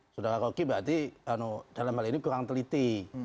sudara koki berarti dalam hal ini kurang teliti